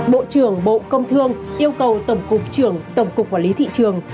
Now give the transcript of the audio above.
bộ trưởng bộ công thương yêu cầu tổng cục trưởng tổng cục quản lý thị trường